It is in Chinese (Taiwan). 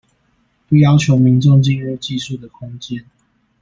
不要求民眾進入技術的空間